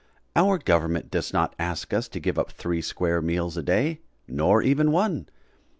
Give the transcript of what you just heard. Our government does not ask us to give up three square meals a day nor even one.